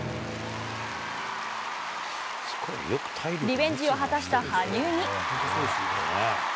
リベンジを果たした羽生に。